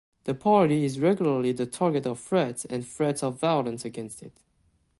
The party is regularly the target of threats and threats of violence against it.